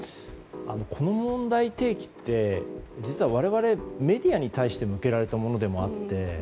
この問題提起って実は我々、メディアに対して向けられたものでもあって。